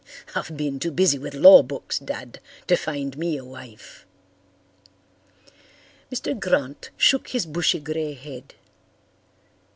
"I've been too busy with law books, Dad, to find me a wife." Mr. Grant shook his bushy grey head.